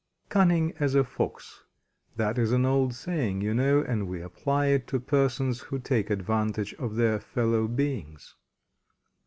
"Cunning as a Fox." That is an old saying, you know, and we apply it to persons who take advantage of their fellow beings.